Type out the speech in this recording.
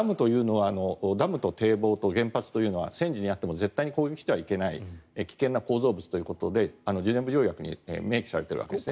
ダムと堤防と原発というのは戦時にあっても絶対に攻撃してはいけない危険な構造物ということでジュネーブ条約に明記されているわけですね。